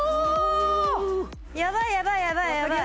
やばいやばいやばいやばい。